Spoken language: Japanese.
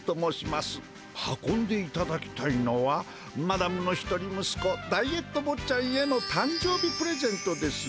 運んでいただきたいのはマダムの一人むすこダイエット坊ちゃんへのたんじょう日プレゼントです。